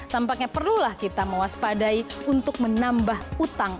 tampaknya perlulah kita mewaspadai untuk menambah utang